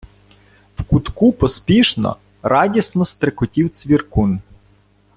В кутку поспішно, радісно стрикотів цвіркун.